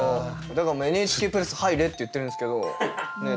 だからＮＨＫプラス入れって言ってるんですけど。